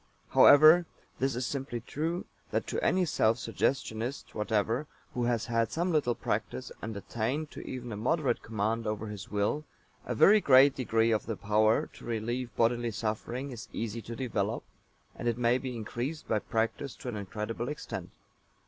However, this is simply true that to any self suggestionist whatever who has had some little practice and attained to even a moderate command over his will, a very great degree of the power to relieve bodily suffering is easy to develop, and it may be increased by practice to an incredible extent.